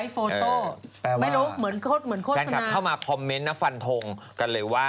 แฟนคัปเข้ามาคอมเมนต์นะฟันทงกันเลยว่า